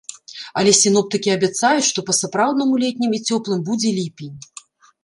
Але сіноптыкі абяцаюць, што па-сапраўднаму летнім і цёплым будзе ліпень.